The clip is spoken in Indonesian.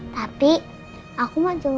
tapi aku mau cek om baik